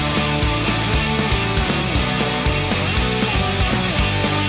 มันอยู่ที่หัวใจ